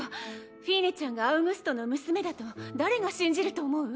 フィーネちゃんがアウグストの娘だと誰が信じると思う？